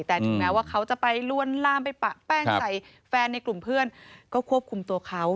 แต่ถึงแม้ว่าเขาจะไปลวนลามไปปะแป้งใส่แฟนในกลุ่มเพื่อนก็ควบคุมตัวเขา